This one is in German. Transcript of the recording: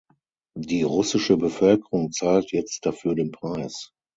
Die russische Bevölkerung zahlt jetzt dafür den Preis.